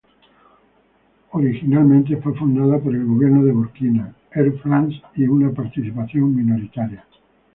Originalmente fue fundada por el gobierno de Burkina, Air France y participación minoritaria.